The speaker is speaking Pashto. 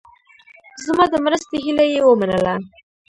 زما د مرستې هیله یې ومنله.